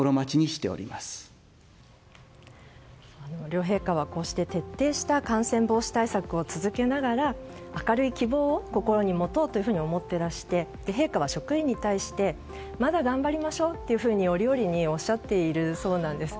両陛下はこうして徹底した感染防止対策を続けながら明るい希望を心に持とうというふうに思っていらして陛下は職員に対してまだ頑張りましょうと折々におっしゃっているそうなんです。